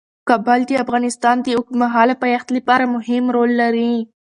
کابل د افغانستان د اوږدمهاله پایښت لپاره مهم رول لري.